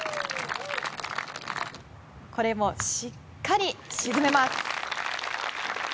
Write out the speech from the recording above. これも、しっかり沈めます。